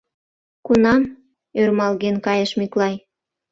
— Кунам? — ӧрмалген кайыш Миклай.